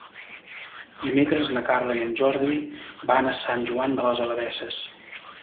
Dimecres na Carla i en Jordi van a Sant Joan de les Abadesses.